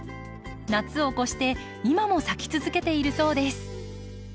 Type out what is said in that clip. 夏を越して今も咲き続けているそうです。